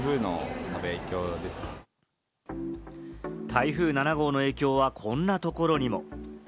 台風７号の影響は、こんなところにも。